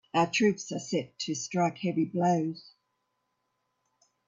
Our troops are set to strike heavy blows.